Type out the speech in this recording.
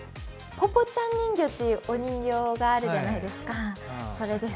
ポポちゃん人形というお人形があるじゃないですか、それです。